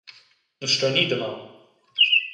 Nus stuein ir damaun.